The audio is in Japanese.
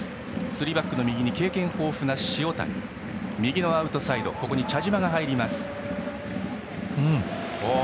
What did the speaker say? スリーバックの右に経験豊富な塩谷右のアウトサイドに茶島が入ります。